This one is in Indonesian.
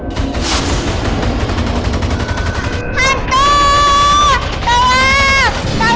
jadi kita juga harus pergi